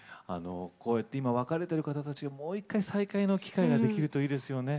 こうやって今別れてる方たちがもう一回再会の機会ができるといいですよね。